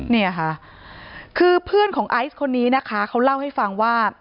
เนี่ยค่ะคือเพื่อนของไอซ์คนนี้นะคะเขาเล่าให้ฟังว่า